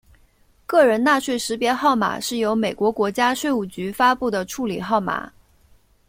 个人纳税识别号码是由美国国家税务局发布的处理号码。